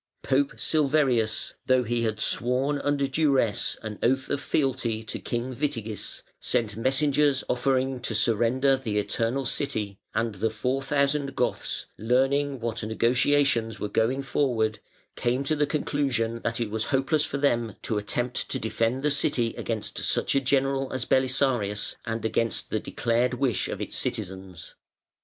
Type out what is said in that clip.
Pope Silverius, though he had sworn under duresse an oath of fealty to King Witigis, sent messengers offering to surrender the Eternal City, and the four thousand Goths, learning what negotiations were going forward, came to the conclusion that it was hopeless for them to attempt to defend the City against such a general as Belisarius and against the declared wish of the citizens.